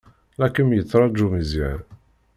La kem-yettṛaju Meẓyan.